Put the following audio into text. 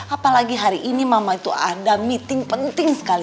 apalagi hari ini mama itu ada meeting penting sekali